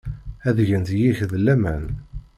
Ad gent deg-k laman.